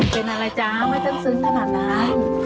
เป็นอะไรจ๊ะไม่ต้องซึ้งขนาดนั้น